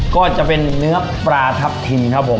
ก็จะเป็นเนื้อปลาทับทิมครับผม